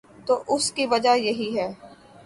تو اس کی وجہ یہی ہے۔